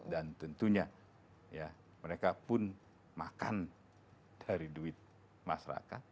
dan tentunya ya mereka pun makan dari duit masyarakat